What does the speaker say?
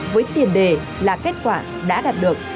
với tiền đề là kết quả đã đạt được